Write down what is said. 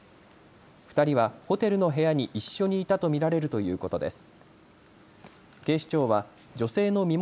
２人はホテルの部屋に一緒にいたと見られるということです。